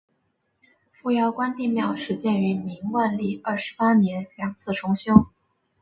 扶摇关帝庙始建于明万历二十八年两次重修。